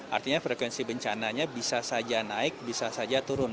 artinya frekuensi bencananya bisa saja naik bisa saja turun